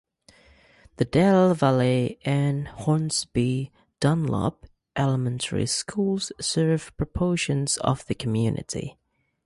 The Del Valle and Hornsby-Dunlap elementary schools serve portions of the community.